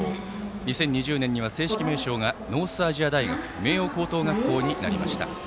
２０２０年には正式名称がノースアジア大学明桜高等学校になりました。